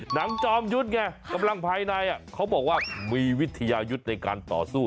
จอมยุทธ์ไงกำลังภายในเขาบอกว่ามีวิทยายุทธ์ในการต่อสู้